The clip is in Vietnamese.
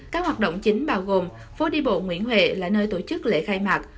các hoạt động chính bao gồm phố đi bộ nguyễn huệ là nơi tổ chức lễ khai mạc